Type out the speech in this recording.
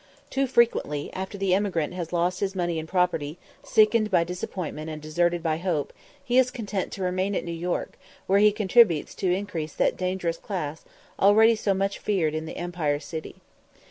Too frequently, after the emigrant has lost his money and property, sickened by disappointment and deserted by hope, he is content to remain at New York, where he contributes to increase that "dangerous class" already so much feared in the Empire City.